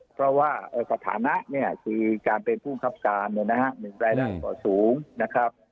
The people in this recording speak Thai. เพราะว่าสถานะเนี่ยคือการเป็นผู้บังคับการเนี่ยนะฮะมีรายได้ต่อสูงนะครับ